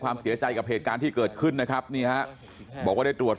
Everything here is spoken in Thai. เสียใจกับเหตุการณ์ที่เกิดขึ้นนะครับนี่ฮะบอกว่าได้ตรวจ